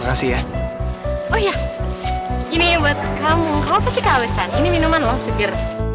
apa sih kawasan ini minuman loh seger